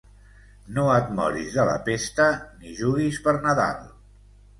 No et moris de la pesta, ni juguis per Nadal.